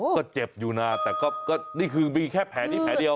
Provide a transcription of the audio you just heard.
ก็เจ็บอยู่นะแต่ก็นี่คือมีแค่แผลนี้แผลเดียว